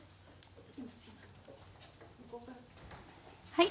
はい。